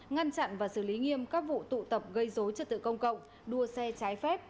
ngăn chặn và xử lý nghiêm các vụ tụ tập gây dối trật tự công cộng đua xe trái phép